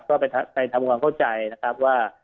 ก็ไปทำความเข้าใจนะครับว่า